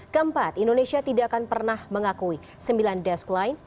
kempat indonesia tidak akan pernah mengakui sembilan desk lain